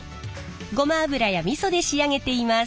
ごま油やみそで仕上げています。